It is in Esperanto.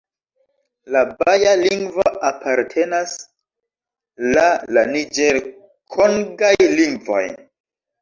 La baja lingvo apartenas la la niĝer-kongaj lingvoj.